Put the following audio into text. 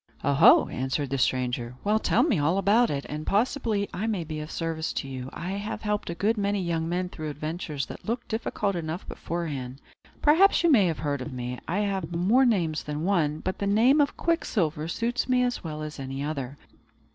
"Oho!" answered the stranger. "Well, tell me all about it, and possibly I may be of service to you. I have helped a good many young men through adventures that looked difficult enough beforehand. Perhaps you may have heard of me. I have more names than one; but the name of Quicksilver suits me as well as any other.